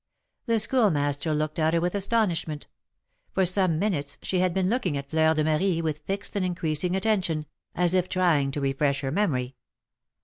The Schoolmaster looked at her with astonishment. For some minutes she had been looking at Fleur de Marie with fixed and increasing attention, as if trying to refresh her memory.